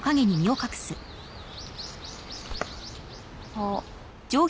あっ。